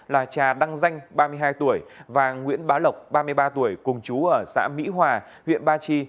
là trà đăng danh ba mươi hai tuổi và nguyễn bá lộc ba mươi ba tuổi cùng chú ở xã mỹ hòa huyện ba chi